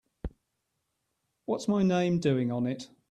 What's my name doing on it?